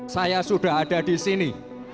saya sudah ada di sini